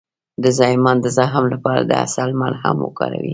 د زایمان د زخم لپاره د عسل ملهم وکاروئ